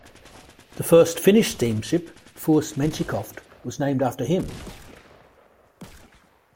The first Finnish steamship "Furst Menschikoff" was named after him.